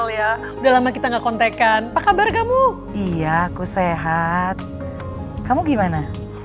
ya udah lama kita nggak kontekan pak kabar kamu iya aku sehat kamu gimana